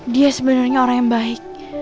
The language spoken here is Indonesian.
dia sebenarnya orang yang baik